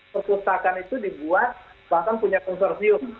perpustakaan itu dibuat bahkan punya konsorsium